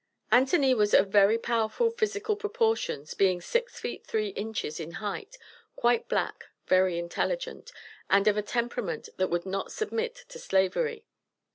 Anthony was of very powerful physical proportions, being six feet three inches in height, quite black, very intelligent, and of a temperament that would not submit to slavery.